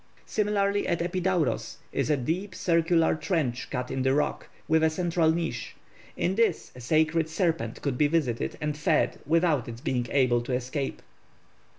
Similarly at Epidauros is a deep circular trench cut in the rock, with a central niche; in this a sacred serpent could be visited and fed without its being able to escape.